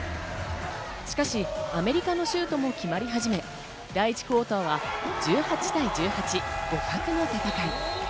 しかし、アメリカのシュートも決まり始め、第１クオーターは１８対１８、互角の戦い。